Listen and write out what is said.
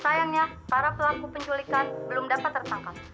sayangnya para pelaku penculikan belum dapat tertangkap